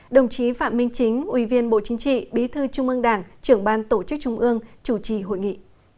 đồng chí phạm minh chính ủy viên bộ chính trị bí thư trung ương đảng trưởng ban tổ chức trung ương chủ trì hội nghị